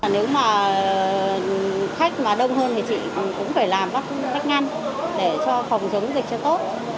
nếu mà khách mà đông hơn thì chị cũng phải làm các cách ngăn để cho phòng chống dịch cho tốt